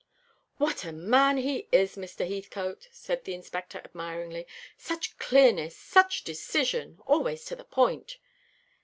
"What a man he is, Mr. Heathcote!" said the Inspector admiringly. "Such clearness, such decision; always to the point."